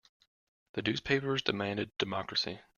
The newspapers demanded democracy.